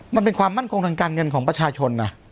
มันเป็นความมั่นคงทางการเงินของประชาชนนะ